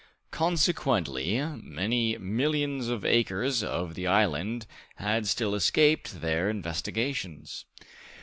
Consequently, many millions of acres of the island had still escaped their investigations.